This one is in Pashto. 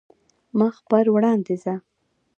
مخ پر وړاندې ځه .